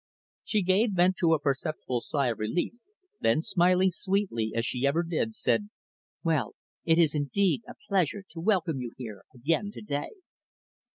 She gave vent to a perceptible sigh of relief, then smiling sweetly as she ever did, said: "Well, it is indeed a pleasure to welcome you here again to day."